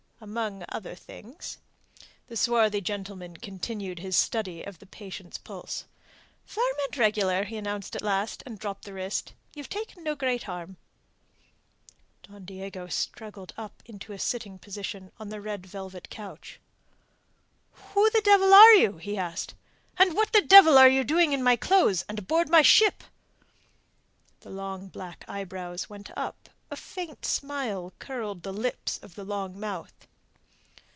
"Among other things." The swarthy gentleman continued his study of the patient's pulse. "Firm and regular," he announced at last, and dropped the wrist. "You've taken no great harm." Don Diego struggled up into a sitting position on the red velvet couch. "Who the devil are you?" he asked. "And what the devil are you doing in my clothes and aboard my ship?" The level black eyebrows went up, a faint smile curled the lips of the long mouth.